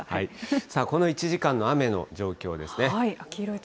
この１時間の雨の状況ですね。